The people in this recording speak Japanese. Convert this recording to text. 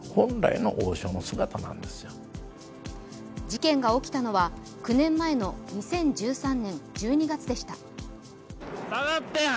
事件が起きたのは、９年前の２０１３年１２月でした。